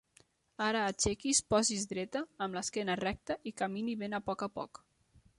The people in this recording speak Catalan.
Ara aixequi's, posi's dreta, amb l'esquena recta i camini ben a poc a poc.